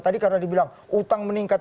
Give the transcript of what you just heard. tadi karena dibilang utang meningkat